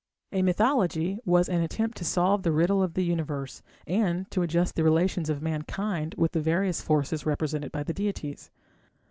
A mythology was an attempt to solve the riddle of the Universe, and to adjust the relations of mankind with the various forces represented by the deities.